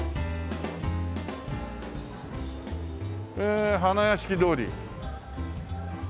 え花やしき通り。